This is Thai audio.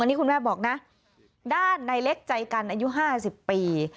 นี่คุณแม่บอกนะด้านในเล็กใจกันอายุ๕๐ปี